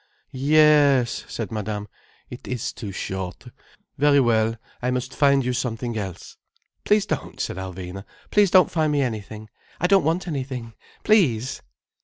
"Yes," said Madame. "It is too short. Very well. I must find you something else." "Please don't," said Alvina. "Please don't find me anything. I don't want anything. Please!"